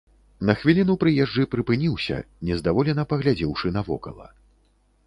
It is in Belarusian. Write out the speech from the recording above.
На хвіліну прыезджы прыпыніўся, нездаволена паглядзеўшы навокала.